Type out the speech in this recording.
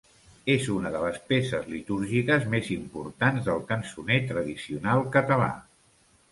És una de les peces litúrgiques més importants del cançoner tradicional català.